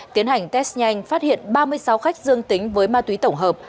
tiến hành test nhanh phát hiện ba mươi sáu khách dương tính với ma túy tổng hợp